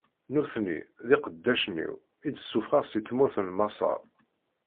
Nutni, d iqeddacen-iw, i d-ssufɣeɣ si tmurt n Maṣer.